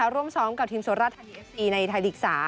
ร่วมซ้อมกับทีมโซราตไทยลิก๓